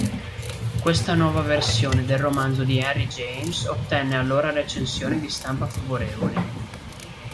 Questa nuova versione del romanzo di Henry James ottenne allora recensioni di stampa favorevoli.